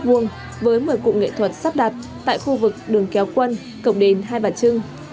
với một mươi cụ nghệ thuật sắp đặt tại khu vực đường kéo quân cổng đền hai bà trưng